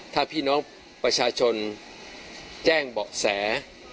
ถ้าพี่น้องประชาชนแจ้งเบาะแส